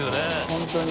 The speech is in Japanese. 本当に。